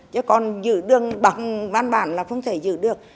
chứ còn giữ đường bằng văn bản là không thể giữ được